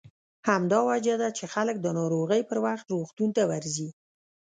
همدا وجه ده چې خلک د ناروغۍ پر وخت روغتون ته ورځي.